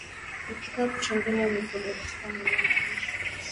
Epuka kuchanganya mifugo katika maeneo ya malisho